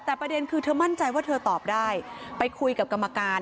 แต่ประเด็นคือเธอมั่นใจว่าเธอตอบได้ไปคุยกับกรรมการ